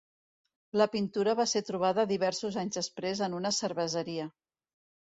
La pintura va ser trobada diversos anys després en una cerveseria.